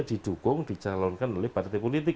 didukung dicalonkan oleh partai politik